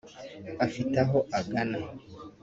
afite aho agana